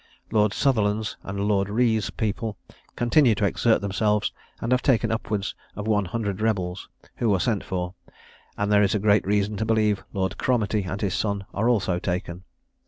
Lord Sutherland's and Lord Reay's people continue to exert themselves, and have taken upwards of one hundred rebels, who are sent for; and there is great reason to believe Lord Cromartie and his son are also taken.